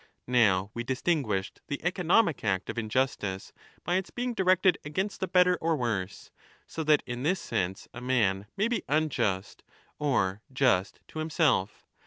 Now we distinguished ^ the economic act of in justice by its being directed against the better or worse, so that in this sense a man may be unjust or just to him 3° self.